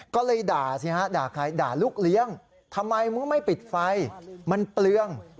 ก็เลยด่าลูกเลี้ยงทำไมมึงไม่ปิดไฟมันเปลือง